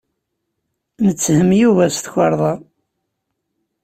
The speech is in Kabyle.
Netthem Yuba s tukerḍa.